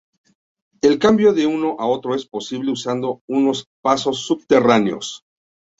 El cambio de uno a otro es posible usando unos pasos subterráneos.